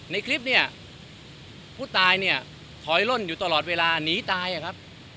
ในคลิปเนี่ยผู้ตายเนี่ยถอยล่นอยู่ตลอดเวลาหนีตายอะครับ